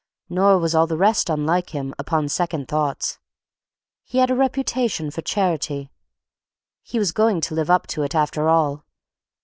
Nor was all the rest unlike him, upon second thoughts. He had a reputation for charity; he was going to live up to it after all.